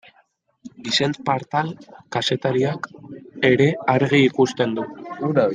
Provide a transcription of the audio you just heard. Vicent Partal kazetariak ere argi ikusten du.